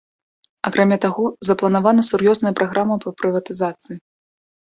Акрамя таго, запланавана сур'ёзная праграма па прыватызацыі.